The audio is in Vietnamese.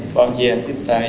bao nhiêu tiết tài